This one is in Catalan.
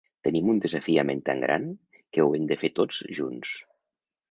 Tenim un desafiament tan gran, que ho hem de fer tots junts.